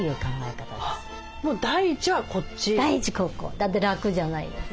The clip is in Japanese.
だって楽じゃないですか。